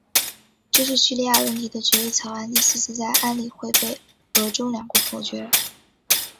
这是叙利亚问题的决议草案第四次在安理会被俄中两国否决。